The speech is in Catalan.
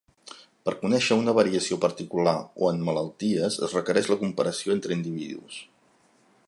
Per conèixer una variació particular o en malalties es requereix la comparació entre individus.